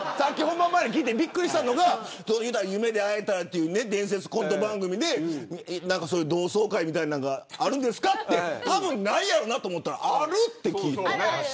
びっくりしたのが夢で逢えたらという伝説のコント番組で同窓会みたいなのがあるんですかとたぶんないだろうなと思ったらあるって。